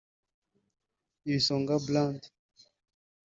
Ibisonga Band